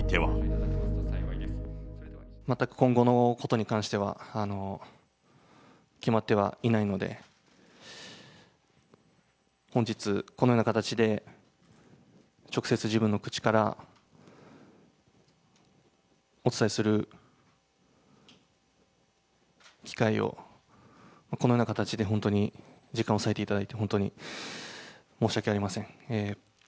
全く今後のことに関しては、決まってはいないので、本日、このような形で、直接、自分の口からお伝えする機会を、このような形で、本当に、時間を割いていただいて、本当に申し訳ありません。